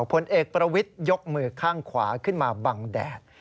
ผลเอกประวิทยกมือข้างขวาขึ้นมาบังแดด